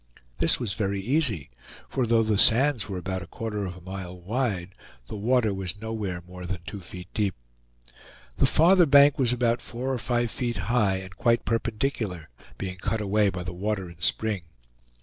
This was very easy; for though the sands were about a quarter of a mile wide, the water was nowhere more than two feet deep. The farther bank was about four or five feet high, and quite perpendicular, being cut away by the water in spring.